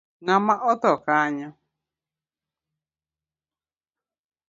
Ngama otho kanyo?